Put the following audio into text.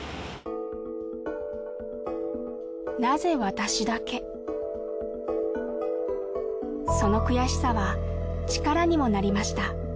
私だけその悔しさは力にもなりました